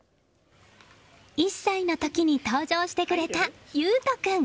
１歳の時に登場してくれた優響君。